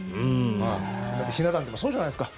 だってひな壇でもそうじゃないですか。